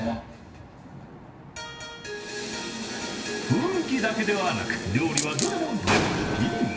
雰囲気だけではなく料理はどれも絶品。